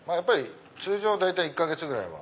通常大体１か月ぐらい。